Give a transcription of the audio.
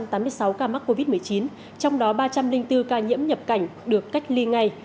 trong đó có ba trăm tám mươi sáu ca mắc covid một mươi chín trong đó ba trăm linh bốn ca nhiễm nhập cảnh được cách ly ngay